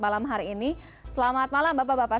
malam hari ini selamat malam bapak bapak